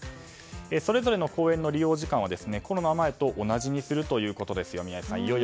それぞれの公園の利用時間はコロナ前と同じにするということです。